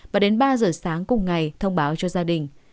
và đến ba giờ sáng cùng ngày thông báo cho gia đình